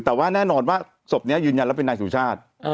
แต่ว่าแน่นอนว่าศพนี้ยืนยันแล้วเป็นนายสุชาติ